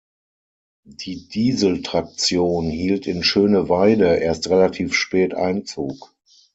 Die Dieseltraktion hielt in Schöneweide erst relativ spät Einzug.